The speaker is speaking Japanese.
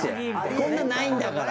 こんなの、ないんだから。